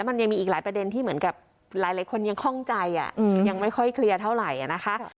มันยังมีอีกหลายประเด็นที่เหมือนกับหลายคนยังคล่องใจยังไม่ค่อยเคลียร์เท่าไหร่นะคะ